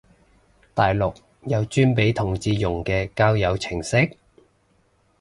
大陸有專俾同志用嘅交友程式？